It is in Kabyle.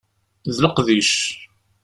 D leqdic.